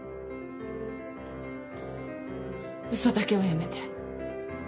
ウソだけはやめて。